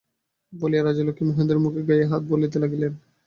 বলিয়া রাজলক্ষ্মী মহেন্দ্রের মুখে গায়ে হাত বুলাইতে লাগিলেন।